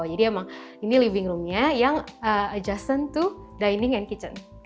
jadi emang ini living room nya yang adjacent to dining and kitchen